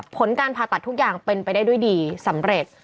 ผลการผ่าตัดทุกอย่างเป็นไปได้ด้วยดีสำเร็จ